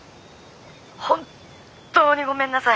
本当にごめんなさい！